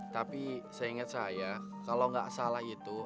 tapi seingat saya kalau nggak salah itu